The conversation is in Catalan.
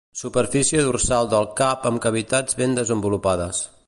Superfície dorsal del cap amb cavitats ben desenvolupades.